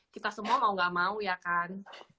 kita semua mau gak mau ya kan